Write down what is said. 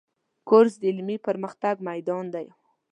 کورس د علمي پرمختګ میدان دی.